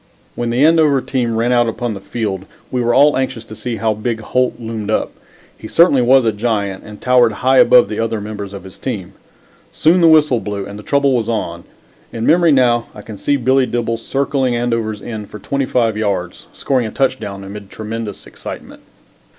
When the Andover team ran out upon the field we were all anxious to see how big Holt loomed up. He certainly was a giant and towered high above the other members of his team. Soon the whistle blew, and the trouble was on. In memory now I can see Billy Dibble circling Andover's end for twenty five yards, scoring a touchdown amid tremendous excitement.